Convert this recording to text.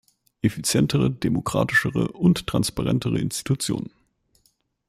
Effizientere, demokratischere und transparentere Institutionen.